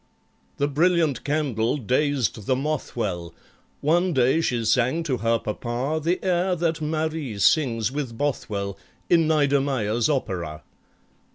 The brilliant candle dazed the moth well: One day she sang to her Papa The air that MARIE sings with BOTHWELL In NEIDERMEYER'S opera.